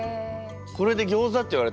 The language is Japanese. これでギョーザって言われた時あ